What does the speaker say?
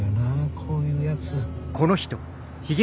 こういうやつ。